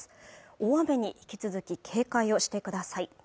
大雨に引き続き警戒をしてください